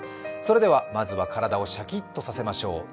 まずは体をシャキッとさせましょう。